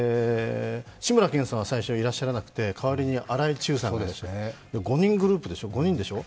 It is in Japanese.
志村けんさんは最初いらっしゃらなくて、代わりに荒井注さんがいて、５人グループ、５人でしょ。